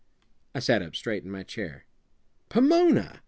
I sat up straight in my chair. "Pomona!"